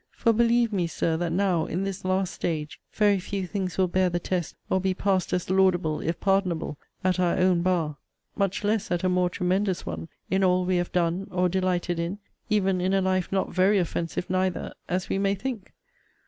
For, believe me, Sir, that now, in this last stage, very few things will bear the test, or be passed as laudable, if pardonable, at our own bar, much less at a more tremendous one, in all we have done, or delighted in, even in a life not very offensive neither, as we may think!